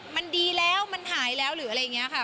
มันดีแล้วมันหายแล้วหรืออะไรอย่างนี้ค่ะ